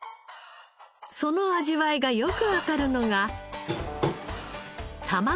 その味わいがよくわかるのが。